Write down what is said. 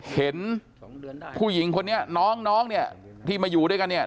เห็นผู้หญิงคนนี้น้องเนี่ยที่มาอยู่ด้วยกันเนี่ย